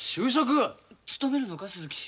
勤めるのか鈴木氏。